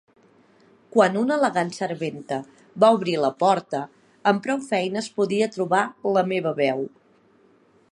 Quan una elegant serventa va obrir la porta, amb prou feines podia trobar la meva veu.